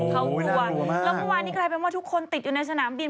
เข้าลั่วอ่ะแล้วผ่ววานนี้ใครว่าทุกคนติดอยู่ในสนามบิน